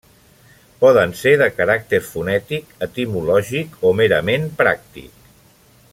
Poden ser de caràcter fonètic, etimològic o merament pràctic.